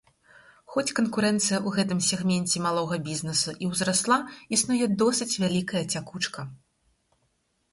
Хоць канкурэнцыя ў гэтым сегменце малога бізнесу і ўзрасла, існуе досыць вялікая цякучка.